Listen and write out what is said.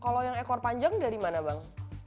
kalau yang ekor panjang dari mana bang